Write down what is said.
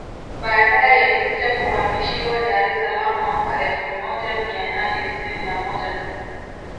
Baadae yalikuja kuhamishiwa Dar es salaam mwaka elfu moja mia nane tisini na moja